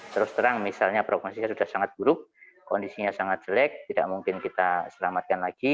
terus terang misalnya prognosisnya sudah sangat buruk kondisinya sangat jelek tidak mungkin kita selamatkan lagi